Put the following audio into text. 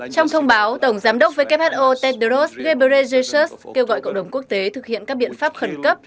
trong thông báo tổng giám đốc vkho tedros ghebreyesus kêu gọi cộng đồng quốc tế thực hiện các biện pháp khẩn cấp